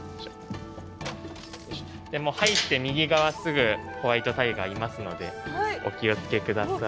入って右側すぐホワイトタイガーいますのでお気を付け下さい。